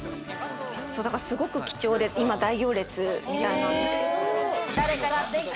すごく貴重で今大行列みたいなんです。